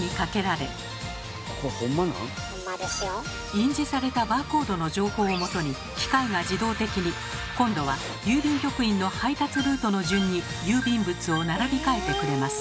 印字されたバーコードの情報をもとに機械が自動的に今度は郵便局員の配達ルートの順に郵便物を並び替えてくれます。